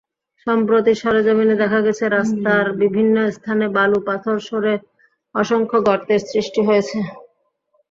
সম্প্রতি সরেজমিনে দেখা গেছে, রাস্তার বিভিন্ন স্থানে বালু-পাথর সরে অসংখ্য গর্তের সৃষ্টি হয়েছে।